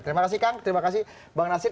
terima kasih kang terima kasih bang nasir